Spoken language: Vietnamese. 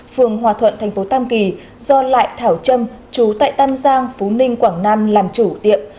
phường hòa thuận thành phố tam kỳ do lại thảo trâm chú tại tam giang phú ninh quảng nam làm chủ tiệm